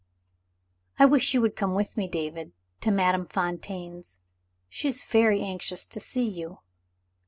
"I wish you would come with me, David, to Madame Fontaine's. She is very anxious to see you."